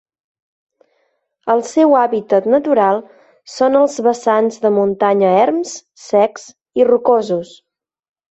El seu hàbitat natural són els vessants de muntanya erms, secs i rocosos.